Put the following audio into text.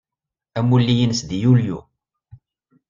Amulli-nnes deg Yulyu.